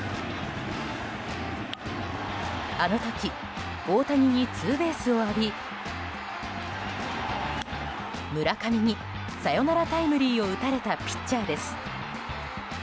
あの時、大谷にツーベースを浴び村上にサヨナラタイムリーを打たれたピッチャーです。